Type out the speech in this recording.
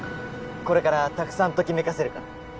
これからたくさんときめかせるから。